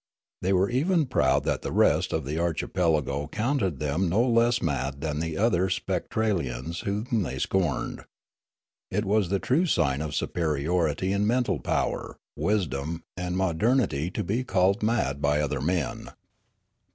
They were even proud that the rest of the archipelago counted them no less mad than the other Spectralians, whom they scorned; it was the true sign of superiority Spectralia 335 in mental power, wisdom, and modernit}' to be called mad by other men.